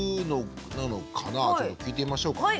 ちょっと聞いてみましょうかね。